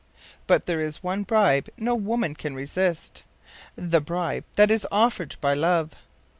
But there is one bribe no woman can resist the bribe that is offered by love.